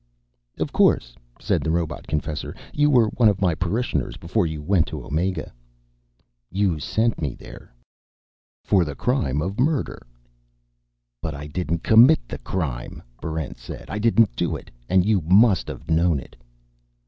"Of course," said the robot confessor. "You were one of my parishioners before you went to Omega." "You sent me there." "For the crime of murder." "But I didn't commit the crime!" Barrent said. "I didn't do it, and you must have known it!"